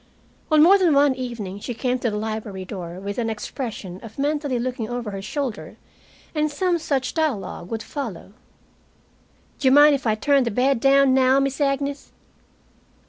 On more than one evening she came to the library door, with an expression of mentally looking over her shoulder, and some such dialogue would follow: "D'you mind if I turn the bed down now, Miss Agnes?"